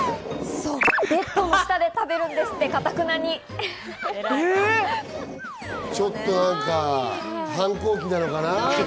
ベッドの下で食べるんですっちょっと反抗期なのかな？